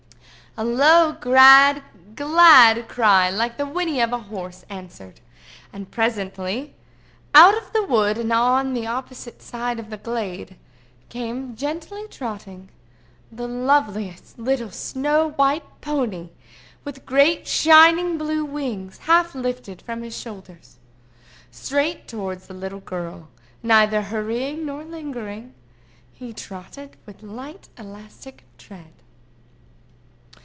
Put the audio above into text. A low, glad cry, like the whinny of a horse, answered, and, presently, out of the wood on the opposite side of the glade, came gently trotting the loveliest little snow white pony, with great shining blue wings, half lifted from his shoulders. Straight towards the little girl, neither hurrying nor lingering, he trotted with light elastic tread.